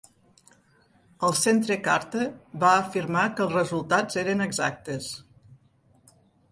El Centre Carter va afirmar que els resultats eren exactes.